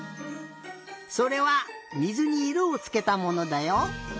それはみずにいろをつけたものだよ。